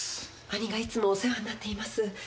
兄がいつもお世話になっています。